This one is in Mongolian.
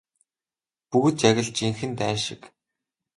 Бүгд яг л жинхэнэ дайн шиг.